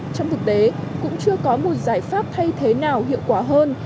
trong thực tế cũng chưa có một giải pháp thay thế nào hiệu quả hơn